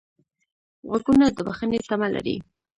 غوږونه د بښنې تمه لري